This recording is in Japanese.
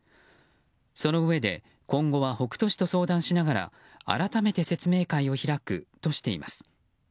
そのうえで今後は北杜市と相談しながら改めて説明会を開くとしています。